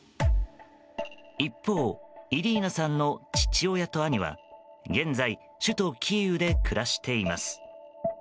一方、イリーナさんの父親と兄は現在首都キーウで暮らしています。